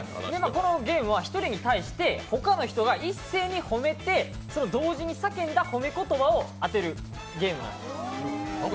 このゲームは１人に対して他の人が一斉に褒めて同時に叫んだ褒め言葉を当てるゲームなんです。